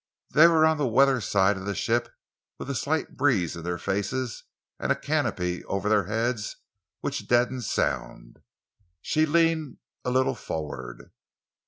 They were on the weather side of the ship, with a slight breeze in their faces and a canopy over their heads which deadened sound. She leaned a little forward.